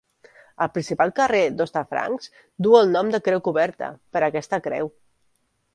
El principal carrer d'Hostafrancs duu el nom de Creu Coberta per aquesta creu.